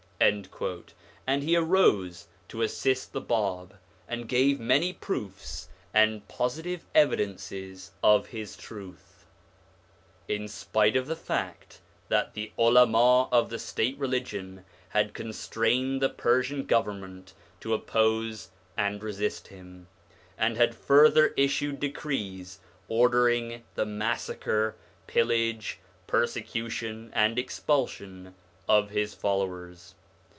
And he arose to assist the Bab, and gave many proofs and positive evidences of his truth, in spite of the fact that the Ulama of the state religion had constrained the Persian Govern ment to oppose and resist him, and had further issued decrees ordering the massacre, pillage, persecution, and expulsion of his followers.